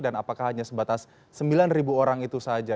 dan apakah hanya sebatas sembilan orang itu saja